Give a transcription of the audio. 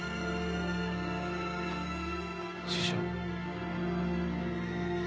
師匠。